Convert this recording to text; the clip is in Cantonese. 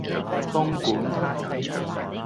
東莞